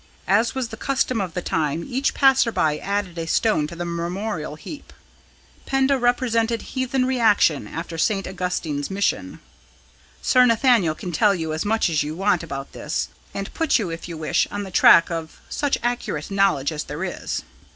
As was the custom of the time, each passer by added a stone to the memorial heap. Penda represented heathen reaction after St. Augustine's mission. Sir Nathaniel can tell you as much as you want about this, and put you, if you wish, on the track of such accurate knowledge as there is."